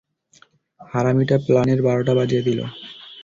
হারামিটা প্ল্যানের বারোটা বাজিয়ে দিল।